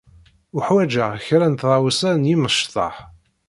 Uḥwaǧeɣ kra n tɣawsa n yimecṭaḥ.